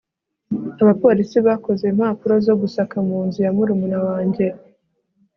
abapolisi bakoze impapuro zo gusaka mu nzu ya murumuna wanjye